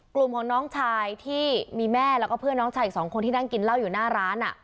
กลุ่มของน้องชายที่มีแม่แล้วก็เพื่อนน้องชายอีกสองคนที่นั่งกินเหล้าอยู่หน้าร้าน